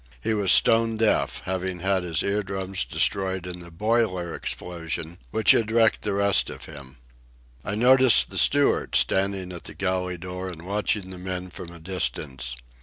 He was stone deaf, having had his ear drums destroyed in the boiler explosion which had wrecked the rest of him. I noticed the steward, standing at the galley door and watching the men from a distance.